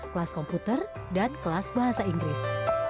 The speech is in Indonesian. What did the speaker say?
kelas komputer dan kelas bahasa inggris